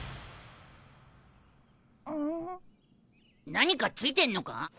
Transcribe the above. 何か付いてんのか？